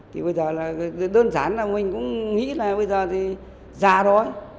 thì bây giờ là đơn giản là mình cũng nghĩ là bây giờ thì già đó